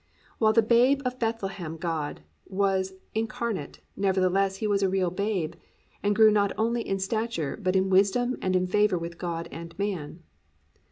While in the Babe of Bethlehem God was incarnate, nevertheless He was a real babe and grew not only in stature, but in wisdom and in favour with God and man.